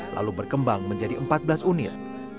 lalu berkembang menjadi empat belas unit